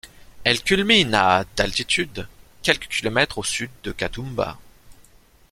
Elle culmine à d'altitude quelques kilomètres au sud de Katoomba.